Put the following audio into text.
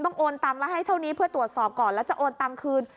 โอนตังค์ไว้ให้เท่านี้เพื่อตรวจสอบก่อนแล้วจะโอนตังคืน